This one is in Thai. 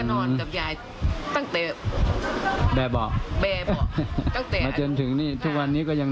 นอนกอดยายอย่างนั้นหรออืมยายอย่าพลึกไว้ไหนนะยาย